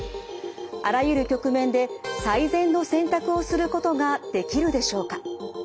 あらゆる局面で最善の選択をすることができるでしょうか。